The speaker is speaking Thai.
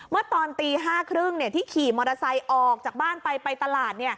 เมื่อตอนตี๕๓๐ที่ขี่มอเตอร์ไซค์ออกจากบ้านไปไปตลาด